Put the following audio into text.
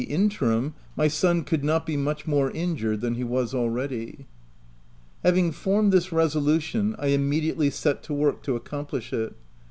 33 interim, my son could not be much more injured than he was already. Having formed this resolution, I immediately set to work to accomplish it.